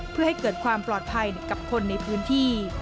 เพื่อให้เกิดความปลอดภัยกับคนในพื้นที่